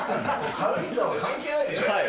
軽井沢関係ないでしょ。